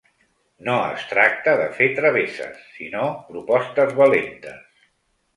No es tracta de fer travesses sinó propostes valentes.